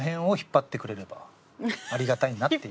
ありがたいなっていう。